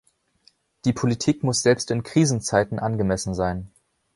Die Politik muss selbst in Krisenzeiten angemessen sein.